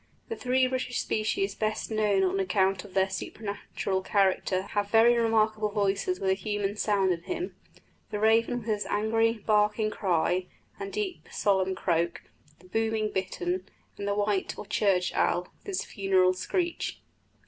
The three British species best known on account of their supernatural character have very remarkable voices with a human sound in them: the raven with his angry, barking cry, and deep, solemn croak; the booming bittern; and the white or church owl, with his funereal screech.